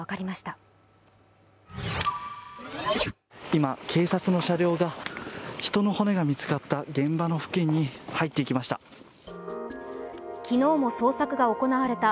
今、警察の車両が、人の骨が見つかった現場の付近に向かいました。